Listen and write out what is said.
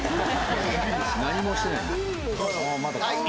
何もしてない